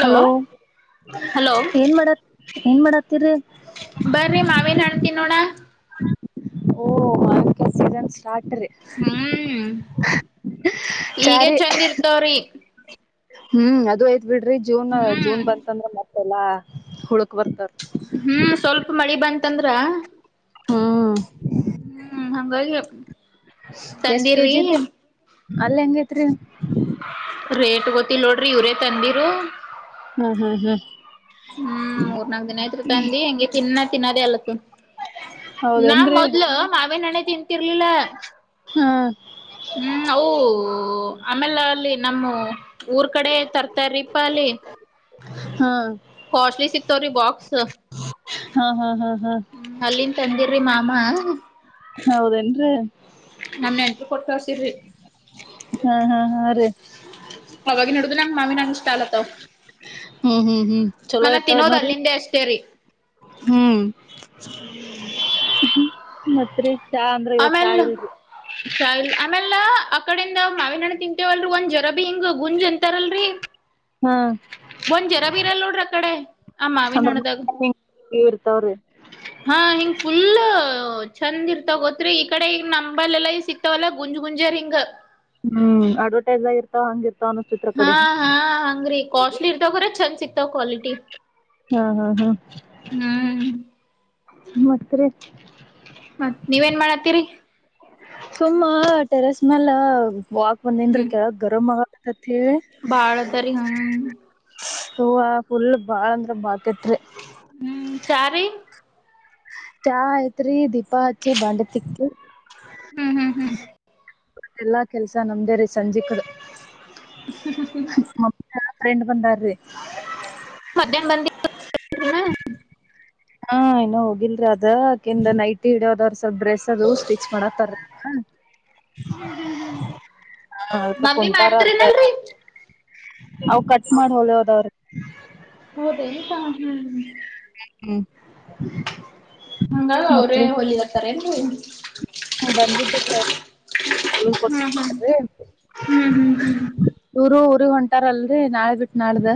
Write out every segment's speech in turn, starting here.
Hello hello ಏನ್ ಮಾಡತ್ ಏನ್ ಮಾಡತ್ತಿರಿ? ಬರ್ರಿ ಮಾವೇನ್ ಹಣ್ ತಿನ್ನೋಣ. ಓ ಮಾವಿನಕಾಯ್ ಸೀಸನ್ ಸ್ ಹ್ಮ್ ಈಗ ಚಾರಿ ಚಂದ ಇರ್ತವ್ರಿ. ಹ್ಮ್ ಅದು ಆಯ್ ಬಿಡ್ರಿ ಜೂನ ಜೂನ್ ಹ್ಮ್ ಬಂತಂದ್ರ ಮತ್ತ್ ತೆಲ್ಲಾ ಹುಳಕ್ ಬರ್ತದ್ ಹ್ಮ್ ಸ್ವಲ್ಪ ಮಳಿ ಬಂತಂದ್ರ ಹ್ಮ್ ಹ್ಮ್ ಹಂಗಾಗಿ ಎಷ್ಟ ತಂದಿರ್ರಿ ಕೆಜಿ ರೀ ಅಲ್ ಹೆಂಗೈತ್ರಿ ರೇಟ್ ಕೊ ಇಲೋಡ್ ೀ ಇವ್ರೇ ತಂದಿರು ಹ್ಮ್ ಹ್ಮ್ ಹ್ಮ್ ಹ್ಮ್ ಮೂರ್ನಾಕ್ ದಿನ ಐ್ರು ತಂದಿ ಹೆಂಗೆ ತಿನ್ನ ತಿನಾದೆ ಅಲ್ಲತುದ್ ನಾ ಹೌದೇನ್ರಿ ಮೊದ್ಲು ಮಾವಿನ ಹಣ್ಣೆ ತಿನ್ ರ್ಲಿಲ್ಲ ಹಾ ಹ್ಮ್ ಆವು ಆಮೇಲೆ ಅಲ್ಲಿ ನಮ್ಮ ಊರ್ ಕಡೆ ತರ್ತಾರ್ರೀಪ ಅಲ್ಲಿ ಹಾ ಕಾಸ್ಟ್ಲಿ ಸಿಕ್ತಾವ್ರಿ ಬಾಕ್ಸ್ ಹಾ ಹಾ ಹಾ ಹ್ಮ್ ಅಲ್ಲಿನ್ ತಂದಿರಿ ಮಾ ಮಾ ಹೌದೇನ್ರರಿ ನಮ್ ನೆಂಟ್ರೂ ಕೊಟ್ ಕಸಿರ್ರಿ ಹಾ -ಹಾ -ಹಾ ರೀ ಅವಾಗಿನಿಡದು ಅ ಮಾಮಿನ ಅನಷ್ಟಾಲತ್ತ ಹ್ಮ್- ಹ್ಮ್ -ಹ್ಮ್ ಚಲೋ ಮನ ಇರ್ತಾವ ತಿನ್ನೋದ್ ನೋರಿ ಅಲ್ಲಿಂದೆ ಅಷ್ಟೇ ರೀ ಹ್ಮ್ ಹ್ಮ್ ಮತ್ರಿ ಚಾ ಅಂದ್ರೆ ಇವತ್ ಚಾ ಇಲ್ರಿ ಆಮೇಲ್ಲ ಅ ಕಡಿಂದ ಮಾವಿನಣ್ಣ ತಿಂತೇವಲ್ಲ ಒಂದ್ ಜರಬಿ ಹಿಂಗ ಗುಂಜ್ ಎಂತಾರಲ್ರರಿ ಹಾ ನೋಡ್ರಿ ಆ ಕಡೆ ಆ ಮಾವಿನ ಅಂದ್ರ ಹಣ್ಣದಾಗ ಇರ್ತಾವ್ರಿ ಹಾ ಹಿಂಗ್ ಫುಲ್ ಚಂದ್ ಇರ್ತ ಗೋತ್ರಿ ಈ ಕಡೆ ಈ ನಂಬಲ್ಲ್ಲಾ ಸಿಕ್ತವಲ್ಲ ಗುಂಜ್ ಗುಂಜರ್ ಹಿಂಗ ಹ್ಮ್ ಅಡ್ವರ್ಟೈಸ್ ಆಗಿರ್ತಾವ ಹಂಗಿರ್ತ ಹಾ ಹಾ ಹಂಗ್ರೀ ಕಾಸ್ಟ್ಲಿ ಇರ್ತ್ರ ಚಂದ ಸಿಕ್ತಾವ್ ಕ್ವಾಲಿಟಿ ಹ್ಮ ಹಾ ಹಾ ಹ್ಮ್ [inaudible] ಮತ್ರಿ ಮತ್ ನೀವೇಏನ್ ಮಾಡತ್ತೀರಿ ಸುಮ್ಮ ಟೆರೆಸ್ ಮ್ಯಲ್ಲ ವಾಕ್ ಒಂದ್ಂನ್ರ ಕೆಳ ಗರಮ ಆಗ ಆತ್ತ ಬಾಳ ಅದಾರಿ ಹಾ ಹೋ ಫುಲ್ ಬಾಳ ಅಂದ್ರ ಬಾಳ್ ಕಟ್ರೀ ಹ್ಮ್ ಚಾರಿ ಚಾ ಐತ್ರಿ ದೀಪಾ ಹಚ್ಚಿ ಬಾಂಡೆ ತಿಕ್ಕಿ ಹ್ಮ್ ಹ್ಮ್ ಹ್ಮ್ ಮತ್ತ ಎಲ್ಲಾ ಕೆಲ್ಸ ನಮ್ದೇ ರೀ ಸಂಜೆ ಕಡೇ ಮತ್ಯ ಫ್ರೆಂಡ್ ಬಂದಾರ್ರೀ ಮಧ್ಯಾನ್ ಬಂದಿ ತ್ ತೆ ಏನ ಹಾ ಏನೋ ಹೋಗಿಲ್ರರಿ ಅದಕೆಂದ ನೈಟ್ ಇಡ್ಯೋದವರ್ ತದ್ರೆ ಡ್ರೆಸ್ ಅದು ಸ್ಟಿಚ್ ಮಾಡ ತರ [inaudible] ಹ್ಮ್ ಹ್ಮ್ ಹ್ಮ್ ಹಾ ಮಮ್ಮಿ ಕುಂತಾರ ಅದಕ್ಕ ಮಾಡ್ತರಿನಲ್ರರಿ ಹ್ಮ ಅವ್ ಕಟ್ ಮಾಡಿ ಹೊಲ ಹೋದವ್ರೆ ಹ್ಮ ಹೌದ ನ್ರ ಹ್ಮ್ ಹ್ಮ್ ಹಂಗ ಅವ್ರೇ ಹೋಲಿಕತರೇನ್ರಿ ಹ ಬಂದಿದ ರಿ ಒಂದ್ ಕೊಟ್ ಹ್ಮ್ ಹ್ಮ್ ಹ್ಮ್ ಹ್ಮ್ ಅವ್ರು ಇ ಹೊಂಟಾರಲ್ರಿ ನಾಳೆ ಬಿಟ್ಟ ನಾಡ್ದ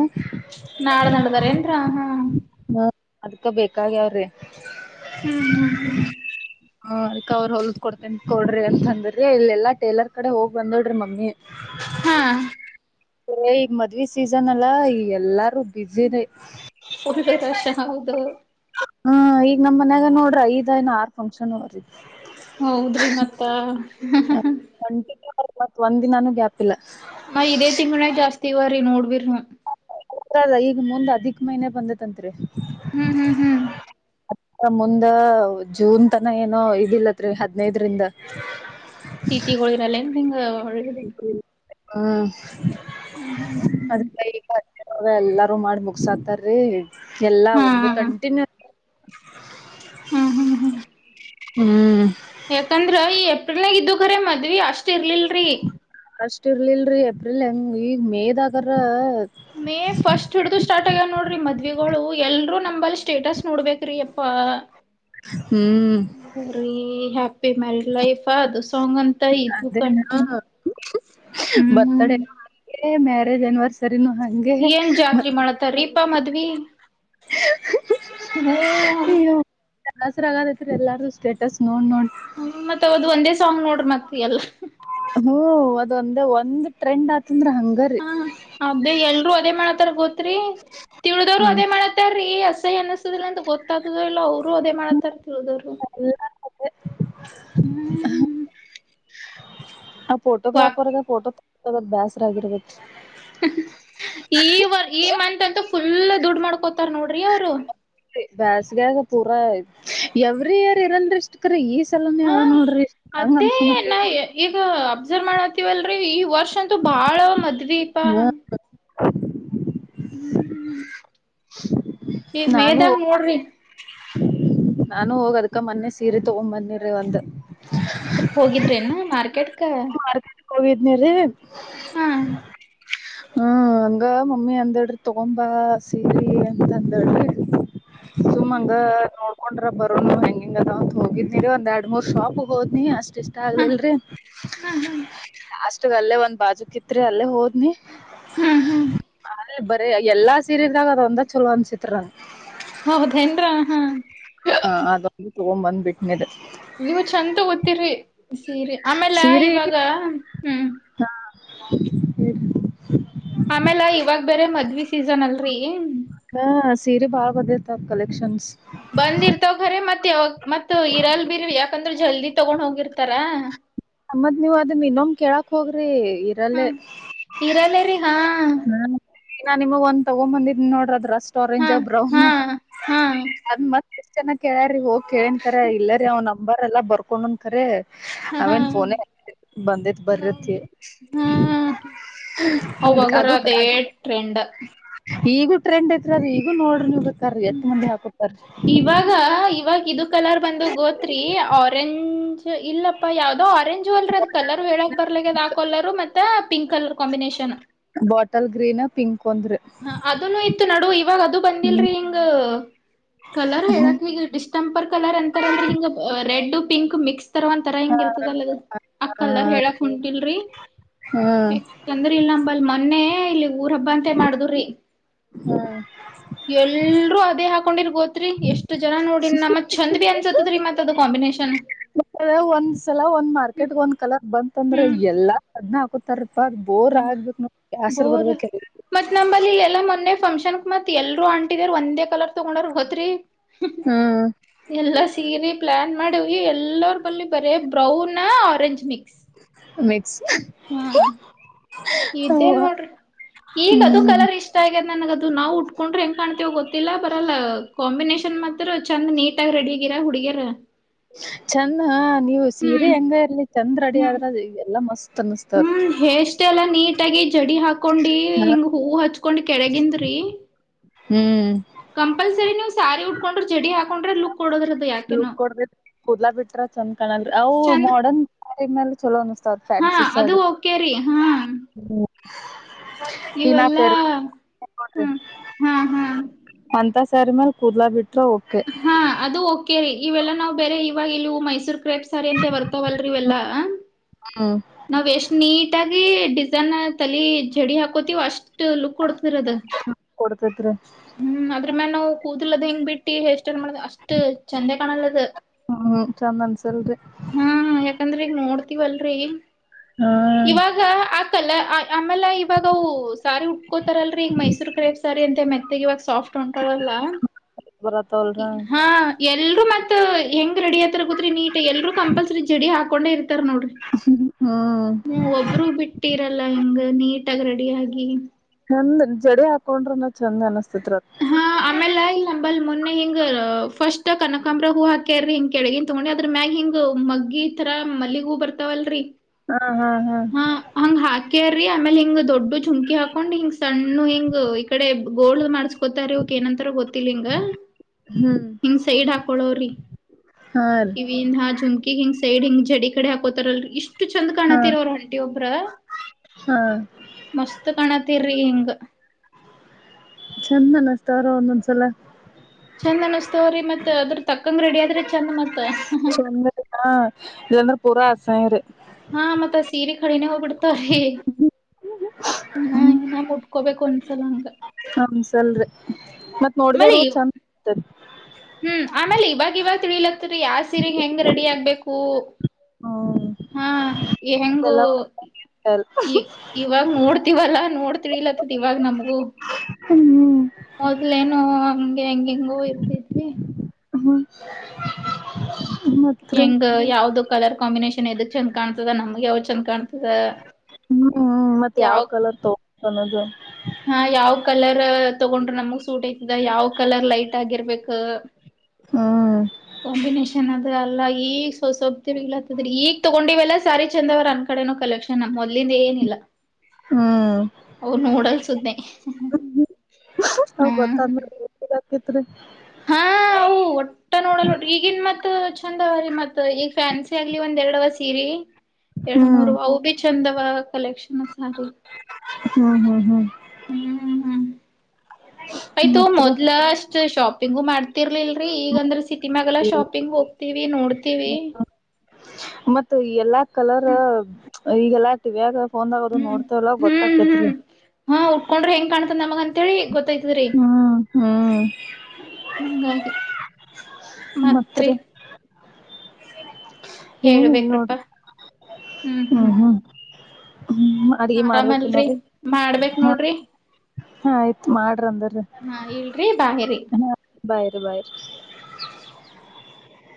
ನಾಡ್ದಾ ನಡ್ದಾರೇನ್ರ ಹಾ ಅದ್ಕ ಬೇಕಾಗಿಯಾವ್ರಿ ಹ್ಮ್ ಹ್ಮ್ ಹ್ಮ್ ಹ ಅದಕ್ಕ ಅವ್ರ ಹೊಲ್ದ ಕೊಡ್ತ ಕೊಡ್ರಿ ಅಂತಂದ್ರಿ ಇಲ್ಲೆಲ್ಲಾ ಟೇಲರ್ ಕಡೆ ಹೋಗ್ ಬಂದೋಡ್ರಿ ಮಮ್ಮಿ ಹಾ ಈಗ ಮದ್ವಿ ಸೀಸನ್ ಅಲ್ಲಾ ಈ ಎಲ್ಲಾರು ಬ್ಯುಸಿರಿ ಫುಲ್ ರಷ ಹೌದು ಈಗ ನಮ್ಮ ಮನ್ಯಾಗ ನೋಡ್ರಿ ಐದ್ ಎನ್ ಆರ್ ಫಂಕ್ಷನ್ ಅವರ್ರಿ ಹೌದ್ರಿ ಮತ್ತ ಹ ಹ ಕಂಟಿನ್ಯೂ ಒಂದಿನಾನ ಗ್ಯಾಪ್ ಮ ಇದೇ ತಿಂಗಳ ಜಾಸ್ತಿ ಇವ ರೀ ನೋಡಿ ವಿರ್ಮ ಹ ಅಲ್ಲ ಈಗ ಮುಂದ್ ಅದಿಕ್ ಮೈನೆ ಬಂದತ್ಂತ್ರಿ ಹ್ಮ್ ಹ್ಮ್ ಹ್ಮ್ ಅ ಮುಂದ ಜೂನ್ ತನ ಏನೋ ಇದಿಲ್ಲತ್ರಿ ಹದ್ನೈದ್ರಿಂದ ತಿಥಿ ಗಳಿರಲ್ಲೆನ್ ನಿಂಗ ಹೊ [unintelligible] ಹ್ಮ ಹ್ಮ್ ಅದ್ ಹ್ಮ್ ಕೈಗಾ ಅದ ಎಲ್ಲಾರೂ ಮಾಡಿ ಮುಗಸಾತಾರೀ. ಎಲ್ಲಾ ಹಾ ಒಮ್ಮೆ ಕಂಟಿನ್ಯೂ [inaudible] ಹ್ಮ್ ಹ್ಮ್ ಹ್ಮ್ ಹ್ಮ್ ಯಾಕಂದ್ರ ಈ ಏಪ್ರಿಲ್ನಾಗ ಇದ್ವು ಕರೆ ಮದ್ವಿ ಅಷ್ಟ ಇರ್ಲಿಲ್ರಿ. ಅಷ್ಟ ಇರ್ಲಿಲ್ರಿ ಎಪ್ರಿಲ್ನ್ಯಾಗ ಈಗ ಮೇದಾಗರ ಮೇ ಫಸ್ಟ್ ಹಿಡ್ದೂ ಸ್ ಸ್ಟಾರ್ಟ್ ಆಗ್ಯಾವ ನೋಡ್ರಿ ಮದ್ವಿಗಳು ಎಲ್ರೂ ನಂಬಲ್ಲಿ ಸ್ಟೇಟಸ್ ನೋಡ್ಬೇಕ್ರೀ ಎಪ್ಪಾ ಹ್ಮ್ ಬುಂಗ್ರಿ ಹ್ಯಾಪಿ ಮ್ಯರಿಡ್ ಲೈಫಾದುಸ್ ಸೊಂಗನ್ ಇದು ಅದೇ ಹಾ ಕಂಟಿನ್ಯೂ ಹ್ಮ್ ಮ್ಯಾರೆಜ್ ಆನಿವರ್ಸರ್ ನು ಹಂಗೆ ಹ್ಮ್ ಏನ್ ಹ್ಮ್ ಜಾತ್ರಿ ಮಾಡತಾರೀಪಾ ಹ್ಮ್ ಮದ್ವಿ ಹ್ಮ ಅಯ್ಯೋ ಬ್ಯಾಸ್ರ ಆಗದೈತದ್ ಎಲ್ಲಾರೂ ಸ್ಟೇಟಸ್ ನೋ ಹ್ಮ ಮತ್ತ್ ಅವದ್ ಒಂದೇ ಸಾಂಗ್ ನೋಡ್ರಿ ಮತ್ ಎಲ್ಲ ಹೂ ಅ ದೊಂದ್ ಒಂದು ಟ್ರೆಂಡ್ ಆ ಹಾ ಅದೇ ಎಲ್ರು ಅದೇ ಮಾಡತಾರ ಗೊತ್ ತ್ರಿ ತಿಳಿದವರು ಹ್ಮ್ ಅದೇ ಮಾಡತ್ತಾರೀ ಅಸ್ ಸಗ್ ಅನಿಸುದಿಲ್ಲ ಅಂತ ಗೊತ್ತಾದದೋ ಇಲ್ಲ ಅವರು ಅದೇ ಮಾಡತ್ತಾರ್ ತಿಳ್ದವ್ರು ಹ್ಮ್ ಹ್ ಅ ಫೋಟೋಗ್ರಾಫರ್ದ ಫೋಟೋ ತ ತರ ಬ್ಯಾಸ್ರಾಗಿರ್ಬೇಕ್ರಿ. ಈ ವರ್ ಈ ಮಂತ್ ಅಂತು ಫುಲ್ ದುಡ್ ಮಾಡ್ಕೋತಾರ್ ನೋಡ್ರಿ ಅವ್ರು. ಬೇಸ್ಗ್ಯಾಗ್ ಪೂರಾ ಎವ್ರಿ ಇಯರ್ ಇರಲ್ರಿ ಇಷ್ಟ್ ಕ್ರಿ ಈ ತಲ್ಲನ್ ಹಾ ಯಾವ ನೋಡ್ರಿ ನಂಗ್ ಅದೇ ಅನ್ಸು ನಾ ಮುಟ್ಟಿಗ್. ಈಗ ಅಬ್ಸರ್ವ್ ಮಾಡ್ತಿವಲ್ರಿ ಈ ವರ್ಷ ಗಂತು ಬಾಳ ಮದ್ವಿ. [unintelligible] ಈ ನಾನು ಮೇಯದಾಗ ನೋಡ್ರಿ ನಾನು ಹೋಗ ಅದ್ಕ ಮೊನ್ನೆ ಸೀರೆ ತಗೊ್ಂಬನ್ನಿ ರೀ ಒಂದ್ ಹೋಗಿದ್ರೆನ ಮಾರ್ಕೆಟ್ ಕ ಮಾರ್ಕಾ ಹೋಗಿದ್ನ ರೀ ಹಾ [unintelligible] ಹ್ಮ ಹಂಗ ಮಮ್ಮಿ ಅಂದಾಡ್ರಿ ತಗೊಂಬ ಸೀರಿ ಅಂತ ಅಂದಡ್ರಿ ಹ ಸುಮಂಗ ಹ ಹೋೊಂಡ್ರ ಬರೋ ಹೆಂಗಿಂಗ ಅದಾವ ಅಂತ ಹೋಗಿದ್ಿರಿ ಒಂದ ಎರಡ್ ಮೂರ್ ಶಾಪ್ ಹೋದ್ನಿ ಅಷ್ಟ ಇಷ್ಟ ಆಗ್ಲಿಲ್ರಿ ಹ ಷ್ಟ ಅಲ್ಲೇ ಒಂದ್ಾಜು ಇತ್ರಿ ಅಲ್ಲೇ ಹದ್ನಿ ಹ್ಮ್ ಹ್ಮ್ ಎಲ್ಲಾ ಸೀರಲ್ದಾಗ ಅದ ಒಂದ ಚಲೋ ಅನ್ಸಿತ್ರನ್ ಹೌದೇಏನ್ರ ಹಾ ಹ ಅದಂದು ತಗೊಂಡ್ ಬಂದ್ ಬಿಟ್ಟನಿದೆ ಇವ ಚಛಂತ ಓದತ್ತಿರ್ರಿ ಸೀರೆ ಆಮೇಲೆ ಇವಾಗ ಹ್ಮ್ ಹ್ಮ ಆಮೇಲೆ ಇವಾಗ ಬೇರೆ ಮದ್ವಿ ಸೀಸನ್ ಅಲ್ರರಿ ಹಾ ಸೀರೆ ಬಾಳ ಅದೇತ ಕಲೆಕ್ಷನ್ ಬಂದಿರ್ತವಖರ ಮತ್ತೆ ಯಾವಾಗ ಮತ್ ಇರಲ್ ಬಿೀರ್ ಯಾಕಂದ್ರೆ ಜಲ್ದಿ ತಗೊಂಡ್ ಹೋಗಿರ್ತಾರಾ ನಮ್ಮತ್ ನೀವ್ ಅದ ಇನ್ನೊಮ ಕೇಳಕ್ ಹೋಗ್ರಿ ಹ್ಮ ಇರಲ್ಲೇ ಇರಲ್ಲೇರಿ ಹಾ ಇನ್ನ ನಿಮ್ಗ್ ಒಂದ ತಗೊಂಬಂದಿದ್ ನೋಡ್ರದ್ರ ಟ್ ಹಾ ಆರೆಂಜ ಬ್ರೌನ್ ಹಾ ಹಾ ಅದ ಮತ್ತ ಎಷ್ಟ್ ಚನ್ನ್ ಕೇಳಾರ್ರಿ ಹೋಗಿ ಕೇಳಂತಾರೆ ಇಲ್ಲ ರೀ ಅವ್ನ ಅಂಬಾರ್ ಎಲ್ಲಾ ಬರ್ಕೊಂಡಂದ ಕರ ಹಾ ಹಾ ಅವೇನ್ ಫೋನ ಬಂದತ್ ಬರತ್ತ ನೋಡ್ ಹ್ಮ್ ಅದ ಅವಾಗರ ಅದಕ್ ಅದೇ ಟ್ರೆಂಡ್. ಈಗೂ ಟ್ರೆಂಡ್ಐತ್ ಅದು ಈಗ ನೋಡ್ರಿ ಇ ಹ್ಮ್ ಇವಾಗ ಇವಾಗ ಇದು ಕಲರ್ ಬಂದು ಗೋತ್ರರಿ ಆರೆಂಜ್ ಇಲ್ಲಪ್ಪ ಯಾವುದೋ ಆರೆಂಜ್ ಅಲ್ರ ಅದ ಕಲರ್ ಹೇಳಕ್ ಬರ್ಲಕ್ಕ ಅದ ಆ ಕಲರ್ ಮತ್ತೆ pink bottle green pink ಒಂದ್ರಿ ಹ ಅದನ್ನು ಇತ್ತು ನಡು ಇವಾಗ ಅದು ಹ್ಮ ಬಂದಿಲ್ರರಿ ಹಿಂಗ್ ಹ ಕಲರ್ ಹೇಳಕ್ ಹ ಈಗ ಇಷ್ಟ ಸಂಪರ್ಕ ಕಲರ್ ಎಂತಾರಲ್ರಿ ಹಿಂಗ ರೆಡ್ ಪಿಂಕ್ ಮಿಕ್ಸ್ ತರ ಒ ತರ ಹೆಂಗ ಇರ್ತದಲ್ಲ ಅಕ್ಕಲ್ ಹೇಳಕ್ ಕುಂಟಿಲ್ರಿ ಯಾಕಂದ್ರ ಇಲ್ಲ ನಂಬಲ್ ಮೊನ್ನೆ ಊರ ಹಬ್ಬ ಅಂತೆ ಮಾಡುದು ಎಲ್ಲರೂ ಅದೇ ಹಾಕೊಂಡಿರ್ ಗೋತ್ರಿ ಎಷ್ಟು ಷ್ಟ ಜನ ನೋಡಿ ನಮ್ಮತ್ ಚಂದ ಬಿ ಅ ತ್ ರೀ ಮತ್ತ ಅದು ಕಾಂಬಿನೇಷನ್ ಒಂದ್ಸಲ ಒಂದ್ ಮಾರ್ಕೆಟ್ಗ ಒಂದ್ ಕಲರ್ ಬಂತಂದ್ರೆ ಹ್ಮ್ ಎಲ್ಲಾ ಅದ್ನ ಹಾಕುತಾರ ಅ್ ಬೋರ್ ಆಗ್ಬೇಕಕ್ ನೋಡ ಆಸರು ಬೋರ್ ಬರ್ಬೇಕ ಮತ್ ನಂಬಲ್ಲಿ ಎಲ್ಲಾ ಮೊನ್ನೆ ಫಂಕ್ಷನ್ಕ್ ಮತ್ ಎಲ್ರು ಆಂಟಿದ ಒಂದೇ ಕಲರ್ ತೊಗೊಂಡರ್ ಗತ್್ರರಿ ಹ್ಮ್ ಎಲ್ಲಾ ಸೀರಿ ಪ್ಲಾನ್ ಮಾಡ ಎಲ್ಲಾ ಕಲ್ಲೋರ್ ಬಲ್ಲಿ ಬರ ಬ್ರೌನ್ ಆರೆಂಜ್ ನಿ ಮಿಕ್ಸ್ ಹಾ ಇದೇನ್ ನೋಡ್ರಿ ಈಗ ಅದು ಹ್ಮ್ ಕಲರ್ ಇಷ್ಟ ಆಗ್ಯದ್ ನನ್ಗದು ನಾವವು ಉಟ್ಕೊಂಡ್ರೆ ಹೆಂಗ್ ಕಾಣ್ತೀವ ಗೊತ್ತಿಲ್ಲ ಬರಲ್ಲ ಕಾಂಬಿನೇಷನ್ ಮಾತ್ರ ಚಂದ್ ನೀಟಗ ರೆಡಿ ಇರ ಹುಡುಿಯರ ಚಂದ ಹ ನೀವು ಸೀರೆ ಹೆಂಗಲ್ಲಿ ಚಂದ್ ರೆಡಿ ಹ್ಮ್ ಆದ್ರ ಎಲ್ಲ ಮಸ್ತ್ ಅನಸ್ತಾವ್ರಿ ಹ್ಮ್ ಎಷ್ಟ ಎಲ್ಲಾ ನೀಟಾಗಿ ಜಡಿ ಹಾಕೊಂಡಿ ಹಿಂಗ್ ಹೂವು ಹಚ್ಕೊಂಡ್ ಕೆಳಗಿಂದ್ರಿ ಹ್ಮ್ ಕೊಂಡ್ರೆ ಲುಕ್ ಕೊಡೋದ್ರದು ಲುಕ್ ಯಾಕೆನೋ. ಕೊಡ ಕೂದಲಾ ಬಿಟ್ರ ಚಂದ್ ಕಣಲ್ ಅವು ಚಂದ್ ಮಾಡನ್ ಈಗ ಮೇಲೆ ಚಲೋ ಅ ಹಾ ಅದು ಓಕೆರಿ ಹಾ [unintelligible] ಈಗ ನಾ ಇವೆಲ್ಲಾ ಫೇರ್ ನೋಡ್ರಿ ಹ್ಮ ಹಾ ಹಾ ಸರ್ಮೇಲೆ ಕೂದಲಾ ಬಿಟ್ಟು ಓಕೆ ಕೇರಿ ಇವೆಲ್ಲ ನಾವು ಬೇರೆ ಇವಾಗ ಇಲ್ಲಿವು ಮೈಸೂರ್ ೇಪ್ ಸಾರಿ ಅಂತೆ ಬರ್ತವಲ್ರಿ ಇವೆಲ್ಲ ಹ್ಮ್ ನಾವ್ ಎಷ್ಟ್ ನೀಟ್ಗ ೀ ಡಿಸೈನ್ ತಲಿ ಜಡಿ ಹಾಕೋತೀವ ಅಷ್ಟ್ ಲುಕ್ ಕೊಡ್ತರದ ತತ್ರ ಹ್ಮ್ ಅದ್ರ ಮ್ಯ ನಾವು ಕೂದಲದ್ ಹೆಂಗ್ ಬಿಟ್ಟಿ ಎಷ್ಟ್ ಮಾಡ ಅಷ್ಟು ಚಂದೆ ಕಾಣಲ್ಲದ ಹ್ಮ್ ಚಂದ ಅನ್ಸಲ್ರಿ ಹಾ ಯಾಕಂದ್ರೆ ಈಗ ನೋಡ್ ವಲ್ರಿೀ ಹಾ ಇವಾಗ ಆ ಕಲ್ಲ ಅ ಆಮೇಲೆ ಇವಾಗವು ಸಾರಿ ಉಟ್ಕೋತಾರಲ್ಲರಿೀ ಈಗ ಮೈೂರು ಕ ರೇಬ್ ಸಾರಿ ಅಂತೆ ಮತ್ತ ಇವಾಗ ಸಾಫ್ಟ್ ಹೊಂಟವಅಲ್ಲ ಬರತ್ತವಲ್ರ ಹ ಎಲ್ ಮತ್ತತ್ ಹೆಂಗ್ ರೆಡಿ ಗೊತ್ ನೀಟ್ ಎಲ್ರುೂ ಕಂಪಲ್ಸರಿ ಜಿಡಿ ಹಾಕ ಕೊೊಂಡೇ ನೋಡ್ರಿ ಹ್ಮ್ ಹ್ಮ ಒಬರುೂ ಬಿಟ್ಟಿರಲ್ಲ ಹಿಂಗ ನೀ ಾಗ ರೆಡಿ ಆಗಿ ಚಂದ ಜಡಿ ಹಾಕೊಂಡ್ರನ ಚಂದ್ ಅನಸ್ತತ್ ಹಾ ಆಮೇಲೆ ಇಲ್ ನಂಬಲ್ ಮೊನ್ನೆ ಹಿಂಗ ಫಸ್ಟ್ ಕನಕಾಂಬ್ರ ಹೂ ಹಾಕ್ಯ್ರಿ ಹಿಂಗ ಕೆಡೆಗನ್ ತಗೊಂಡಿ ಅದ್ರ ಮ್ಯಾಗ ಹಿಂಗ್ ಮಗ್ಗಿ ತರ ಮಲ್ಲಿಗ್ ಹೂ ಬರ್ತಾವಲ್ರರಿ ಹಾ ಹಾ ಹಾ ಕೇರಿ ಆಮೇಲೆ ಹಿಂಗ ದೊಡ್ ಚುಂಕಿ ಹಾಕೊಂಡ್ ಹಿಂಗ್ ಸಣ್ಣ ಹಿಂಗ್ ಈ ಕಡೆ ಗೋಡ್ ಮಾಡ್ಕು ೊತ್ತ ಏನಂತ ಗೊತ್ತಿಲ್ಲ ಹಿಂಗ ಹ್ಮ್ ಹಿಂಗ ಸೈಡ್ ಹಾಕಳವ್ರಿ ಹಾ ರೀ ಕಿವಿಯಿಂದುಮಕಿ ಹಿಂಗ ಸೈಡ್ ಹಿಂಗ್ ಜಡಿ ಕಡೆ ಹಾಕೋತಾರಲ್ರಿ ಇಷ್ಟ್ ಚಂದ ಹಾ ಕಾಣುತ್ತೀರ ಅವ ಒಬ್ರ ಹಾ ಮಸ್ತ್ ಕಾಣತಿರ್ ಪೆ ಹಿಂಗ್ ಎಂದಲ್ಲ ಸ್ತಾರೋ ಒಂದಸಲ ಚಂದ ಅನಸ್ತವ್ರಿ ಮತ್ ಅದ್ರ ತಕ್ಕಂಗ ರೆಡಿ ಆದ್ರೆ ಚೆಂದ ಮತ್ತತ್ ಚಂದ ಹ ಇಲ್ಲಿ ಅಂದ್ರೆ ಪರಾ ಆಸಂರು ಹಾ ಮತ್ತ ಸೀರೆ ಳಿನೇ ಹೋಗ್ಬಿಡ್ತವ್ರೀ ಇನ್ನ ಮುಟ್ಕೋಬೇಕು ಅನ್ಸಲ ಹಂಗ ಅನ್ಸಲ್ರಿ ಮತ್ ಮಳಿ ನೋಡಿದವ ಚಂದ ಹ್ಮ್ ಆಮೇಲೆ ಇವಾಗ ಇವಾಗ ತಿಳಿಲಕ್ಕ ಯಾವ ಸೀರೆ ಹೆಂಗ ರೆಡಿ ಆಗ್ಬೇಕು ಹ್ಮ್ ಹ ಹಾ ಹೆಂಗು ಎಲ್ಲಾ ಅಲ್ ಇವಾಗ ನೋಡ್ತಿವಲ್ಲಾ ನೋಡ್ತ ತಿಳಿಲತುದ ಇವಾಗ ನಮಗೂ ಹ್ಮ್ ಮೊದ್ಲೇನು ಹೆಂಗ್ ಹೆಂಗೋ ಇರ್ತಿದೆ ಹ ಹ್ಮ್ ಮತ್ರಿ ಹೆಂಗ ಯಾವ್ದ ಕಲರ್ ಕಾಂಬಿನೇೇಶನ್ ಎದಕ್ ಚಂದ ಕಾಣ್ತದ ನಮ್ಗೆ ಅವಾವ ಚಂದ್ ಕಾಣ್ತದ ಹ್ಮ್ ಮತ್ತತ್ ಯಾವ್ ಕಲರ್ ತಗ ಸಮದು ಹಾ ಯಾವ್ ಕಲರ್ ತಗೊಂಡ್ರ ನಮಗ ಸೂಟ್ ಐತದ ಯಾವ್ ಕಲರ್ ಲೈಟ್ ಆಗಿರ್ಬೇಕ ಹಾ ಕಾಂಬಿನೇಷನ್ ಅದ ಅಲ್ಲ ಈಗೊಬ್ದ ಇಲತ್ತದ್ರಿ ಈಗ ತಗೊಂಡಿವಲ್ಲ ಸ್ಯಾರಿ ಚಂದವ್ರ ಅಂದ ಕಡೆನೂ ಕಲೆಕ್ಷನ್ ಮೊದಲಿಂದ ಏನಿಲ್ಲಾ ಹ್ಮ್ ಅವ ನೂಡಲ್ಸ್್ದೆ ಹ್ಮ ಕತನೆ ಹಾ ಒಟ್ಟ ನೋಡಲ್ ಒಟ್ರಿ ಈಗಿನ್ ಮತ್ ಚಂದ ಅವವೀ ಮತ್ ಈಗ ಫ್ಯಾನ್ಸಿ ಆಗ್ಲಿ ಒಂದ್ ಎರಡ್ವ ಸೀರಿ ಎರಡು ಹ್ಮ್ ಮೂರು ಅವು ಬಿ ಚಂದ ವ ಕಲೆಕ್ಷನ್ ಸ ರ ಹ್ಮ್- ಹ್ಮ್ -ಹ್ಮ್ ಹ್ಮ್ ಆಯ್ತು ಮತ್ರಿ ಮೊದ್ಲಸ್ ಶಾಪ್ ಪಂಗು ಮಾಡ್ತಿರ್ಲಲ್ರರಿ ಈಗಂದ್ರೆ ಸಿಕ್ ನಿಮಾಗೆಲ್ಲ ಶಾಪಿಂಗ್ ಹೋಗ್ತಿವಿ ನೋಡ್ ತಿವಿ ಮತ್ತ ಎಲ್ಲಾ ಕಲರ್ ಈಗಲ್ಲಾ ತಿವ್ಯಾಗ್ ಆಗ ಹಫೋಂದಾಗದು ನೋಡ್ತೇವಲ್ಲ ಹ್ಮ್ ಗೊತ್ತಾಕೇತ್ರಿ ಹ್ಮ್ ಹಾ ಉಟ್ಕೊಂಡ್ರೆ ಹೆಂಗ್ ಕಾಣ್ತದ ನಮಗ ಅಂತೇಳಿ ಹ್ಮ್ ಹ್ಮ್ ಹ್ಮ ನಂಗಾಗಿ ಮತ್ತೆ ಮತ್ರಿ ಏನಿಲ್ ನೋಡ್ ಹೇಳ್ಬೇಕ್ರಪ್ಪಾ ಹ್ಮ್ ಹ್ಮ ಹ್ಮ್ ಹ್ಮ. ಆರಾಮಲ್ರಿ ಮಾಡ್ಬೇಕ್ ನೋಡ್ರಿ. ಹಾಯ್ತ ಮಾಡ್ ಹಾ ಇಲ್ರಿ ಬಾಹೇರಿ. ಬಯ್ರೆ ಬಯ್.